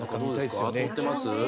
通ってます？